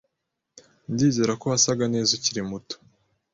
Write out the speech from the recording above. Ndizera ko wasaga neza ukiri muto